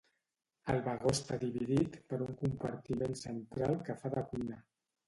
El vagó està dividit per un compartiment central que fa de cuina.